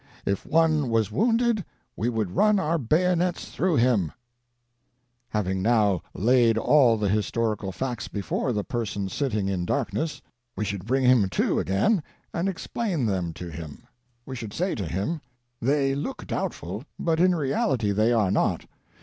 IF ONE WAS WOUNDED, WE WOULD RUN OUR BAYONETS THROUGH HIM/'' Having now laid all the historical facts before the Person Sitting in Darkness, we should bring him to again, and explain them to him. We should say to him: "They look doubtful, but in reality they are not.